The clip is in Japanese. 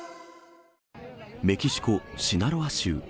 メキシコ・シナロア州。